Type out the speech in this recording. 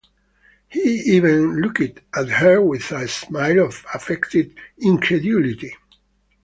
He even looked at her with a smile of affected incredulity.